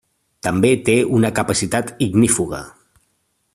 També té una capacitat ignífuga.